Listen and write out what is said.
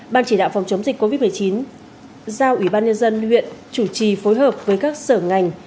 ban chỉ đạo phòng chống dịch covid một mươi chín giao ubnd huyện chủ trì phối hợp với các sở ngành